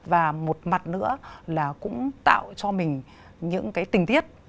và một mặt nữa là cũng tạo cho mình những cái tình tiết